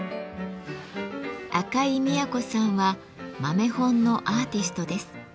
赤井都さんは豆本のアーティストです。